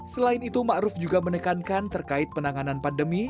selain itu ma'ruf juga menekankan terkait penanganan pandemi